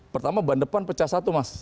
pertama ban depan pecah satu mas